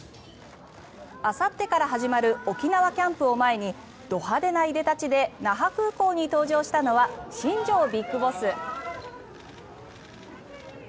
あさってから始まる沖縄キャンプを前にど派手ないでたちで那覇空港に登場したのは新庄ＢＩＧＢＯＳＳ。